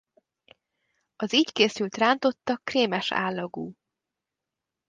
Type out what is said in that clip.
Az így készült rántotta krémes állagú.